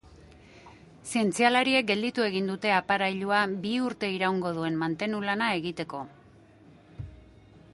Zientzialariek gelditu egin dute aparailua bi urte iraungo duen mantenu lana egiteko.